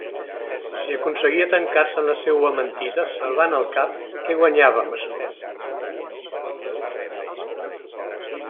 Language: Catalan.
I si aconseguia tancar-se en la seua mentida, salvant el cap, què guanyava amb açò?